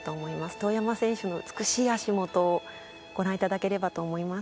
遠山選手の美しい足もとをご覧いただければと思います。